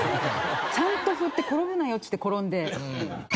ちゃんと振って転ぶなよっつって転んで。